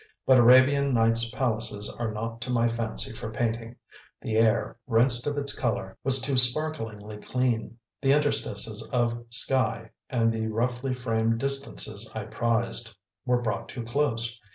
But Arabian Nights' palaces are not to my fancy for painting; the air, rinsed of its colour, was too sparklingly clean; the interstices of sky and the roughly framed distances I prized, were brought too close.